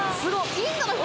インドの人